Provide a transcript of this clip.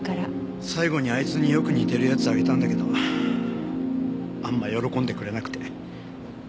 最後にあいつによく似てるやつあげたんだけどあんま喜んでくれなくて。